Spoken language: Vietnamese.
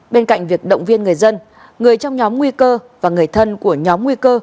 bên cạnh việc động viên người dân người trong nhóm nguy cơ và người thân của nhóm nguy cơ